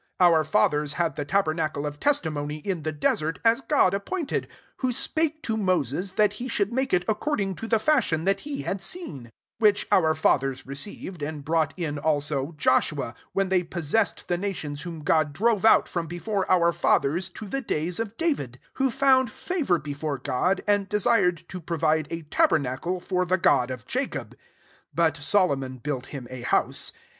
44 Our fathers had the tabernacle of testimony in the desert, as God appointed, who spake to Moses, that he should make it according to the fashion that he had seen: 45 which our fathers received, and brought in also Joshua, when they possessed the na tions whom God drove out from before our fathers to the days of David ; 46 who found favour before God, and desired to provide a tabernacle for the God of Jacob. 47 But Solomon built him a house.